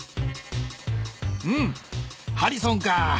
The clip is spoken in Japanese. うんハリソンか。